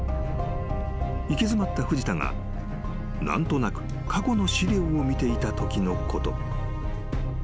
［行き詰まった藤田が何となく過去の資料を見ていたときのこと］